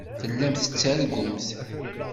Tellamt tettargumt.